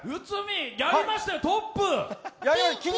やりましたよ、トップ。